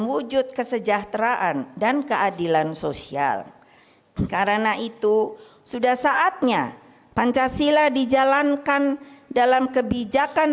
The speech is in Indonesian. wujud kesejahteraan dan keadilan sosial karena itu sudah saatnya pancasila dijalankan dalam kebijakan